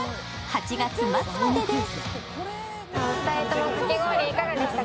８月末までです。